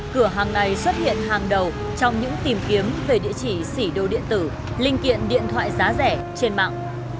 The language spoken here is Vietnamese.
cửa hàng này xuất hiện hàng đầu trong những tìm kiếm về địa chỉ xỉ đồ điện tử linh kiện điện thoại giá rẻ trên mạng